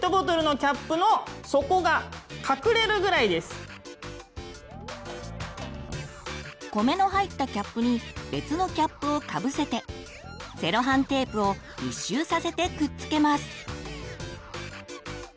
次は米の入ったキャップに別のキャップをかぶせてセロハンテープを１周させてくっつけます。